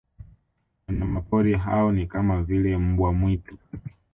Wanyamapori hao ni kama vile mbwa mwitu